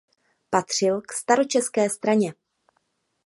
Patřil k staročeské straně.